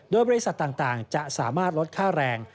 โดยบริษัทต่างจะสามารถลดค่าแรง